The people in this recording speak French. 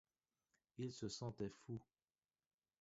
Il se sentait fou.